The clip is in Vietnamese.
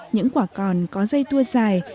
những quả còn có dây tua dài